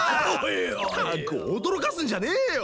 ったく驚かすんじゃねえよ！